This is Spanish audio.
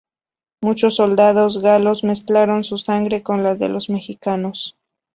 Muchos soldados galos mezclaron su sangre con la de los mexicanos.